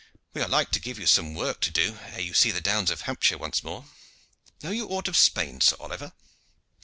We are like to give you some work to do ere you see the downs of Hampshire once more. Know you aught of Spain, Sir Oliver?"